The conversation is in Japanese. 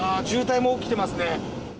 渋滞も起きていますね。